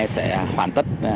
sẽ hoàn tất